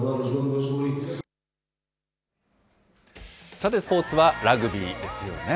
さて、スポーツはラグビーですよね。